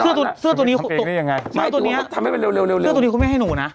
เสื้อตัวนี้ทำเองนี่ยังไงหมายถึงว่าเค้าทำให้ไปเร็วเสื้อตัวนี้คุณไม่ให้หนูนะ